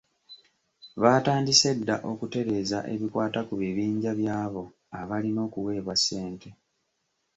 Baatandise dda okutereeza ebikwata ku bibinja by'abo abalina okuweebwa ssente.